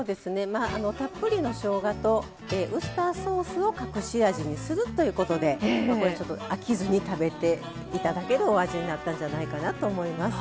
まあたっぷりのしょうがとウスターソースを隠し味にするということで飽きずに食べて頂けるお味になったんじゃないかなと思います。